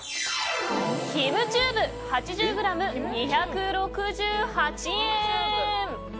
キムチューブ８０ｇ、２６８円。